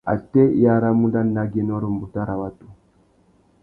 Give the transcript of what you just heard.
Atê i aramú nà dangüiénô râ umbuta râ watu?